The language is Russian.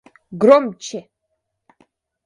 Громче